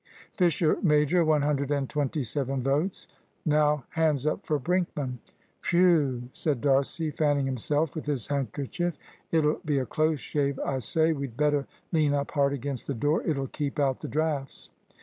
"Fisher major, one hundred and twenty seven votes; now, hands up for Brinkman." "Whew!" said D'Arcy, fanning himself with his handkerchief; "it'll be a close shave. I say, we'd better lean up hard against the door. It'll keep out the draughts."